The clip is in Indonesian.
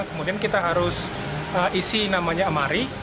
kemudian kita harus isi namanya amari